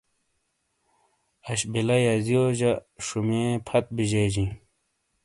اش بلہ یازیو جہ شمیۓ فت بیجےجیں۔